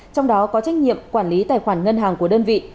trong đó có trách nhiệm quản lý tài khoản ngân hàng của đơn vị